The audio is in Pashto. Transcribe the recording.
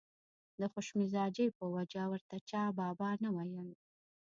د خوش مزاجۍ په وجه ورته چا بابا نه ویل.